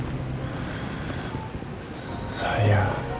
setelah saya semua